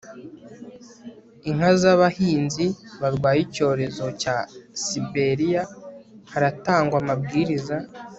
inka z'abahinzi barwaye icyorezo cya siberiya, haratangwa amabwiriza